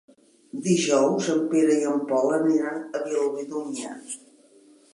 Dijous en Pere i en Pol aniran a Vilobí d'Onyar.